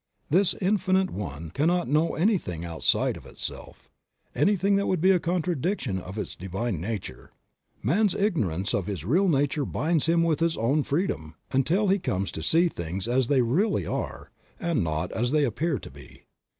This Infinite One cannot know anything outside of itself ; anything that would be a contradiction of its Divine nature ; man's ignorance of his real nature binds him with his own freedom, until he comes to see things as they really are, and not as they appear to be.